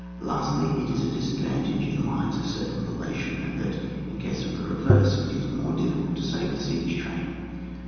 Lastly, it is a disadvantage in lines of circumvallation, that in case of a reverse it is more difficult to save the siege train.